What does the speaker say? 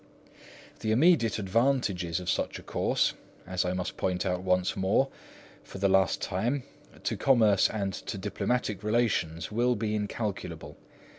The immediate advantages of such a course, as I must point out once more, for the last time, to commerce and to diplomatic relations will be incalculable.